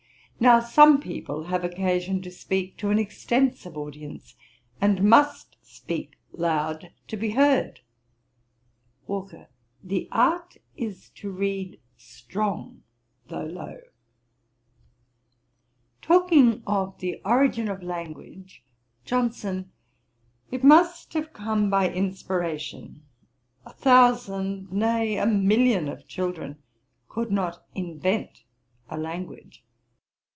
Now some people have occasion to speak to an extensive audience, and must speak loud to be heard.' WALKER. 'The art is to read strong, though low.' Talking of the origin of language; JOHNSON. 'It must have come by inspiration. A thousand, nay, a million of children could not invent a language.